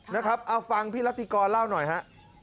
นะครับเอาฟังพี่รัติกรเล่าหน่อยฮะ